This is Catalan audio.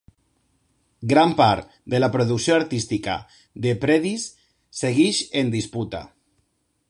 Gran part de la producció artística de Predis segueix en disputa.